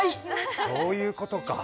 そういうことか。